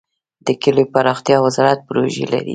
د کلیو پراختیا وزارت پروژې لري؟